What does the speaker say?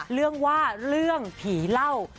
เรื่องว่าเรื่องผีเหล้า